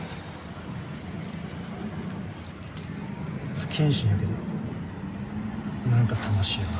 不謹慎やけどなんか楽しいよな